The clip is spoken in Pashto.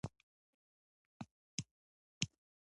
بوتل کله ناکله د حافظې لپاره هم کارېږي.